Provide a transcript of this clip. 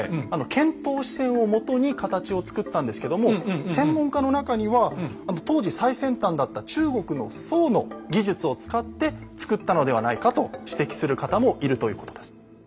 遣唐使船をもとに形を作ったんですけども専門家の中には当時最先端だった中国の宋の技術を使って造ったのではないかと指摘する方もいるということです。